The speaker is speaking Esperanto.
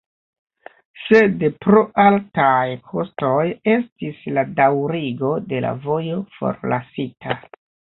Sed pro altaj kostoj estis la daŭrigo de la vojo forlasita.